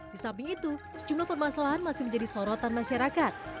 disamping itu sejumlah permasalahan masih menjadi sorotan masyarakat